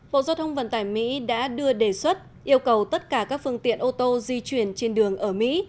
bộ giao thông vận tải mỹ đã đưa đề xuất yêu cầu tất cả các phương tiện ô tô di chuyển trên đường ở mỹ